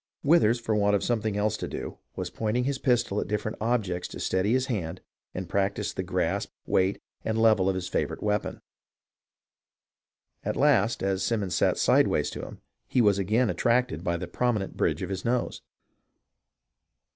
Withers, for want of something else to do, was pointing his pistol at different objects to steady his hand and prac tise the grasp, weight, and level of his favourite weapon. At last, as Simons sat sideways to him, he was again at tracted by the prominent bridge of his nose.